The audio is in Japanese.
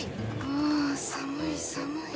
あ寒い寒い。